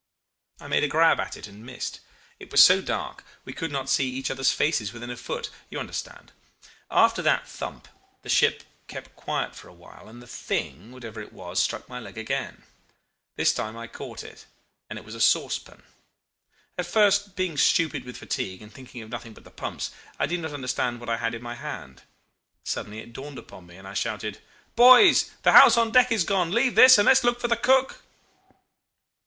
I made a grab at it and missed. It was so dark we could not see each other's faces within a foot you understand. "After that thump the ship kept quiet for a while, and the thing, whatever it was, struck my leg again. This time I caught it and it was a saucepan. At first, being stupid with fatigue and thinking of nothing but the pumps, I did not understand what I had in my hand. Suddenly it dawned upon me, and I shouted, 'Boys, the house on deck is gone. Leave this, and let's look for the cook.